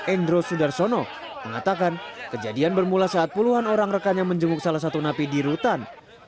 endro sudarsono mengatakan kejadian bermula saat puluhan orang rekannya menjenguk salah satu napi di rutan